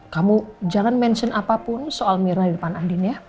kamu jangan mention apapun soal mirna di depan andina